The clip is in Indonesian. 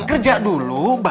kerja dulu bar